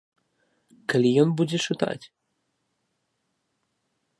Калі ён будзе чытаць?